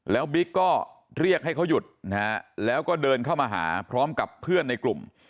แล้วบิ๊กก็เรียกให้เขาหยุดนะฮะแล้วก็เดินเข้ามาหาพร้อมกับเพื่อนในกลุ่ม